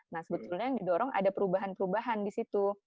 nah sebetulnya yang didorong ada perubahan perubahan di situ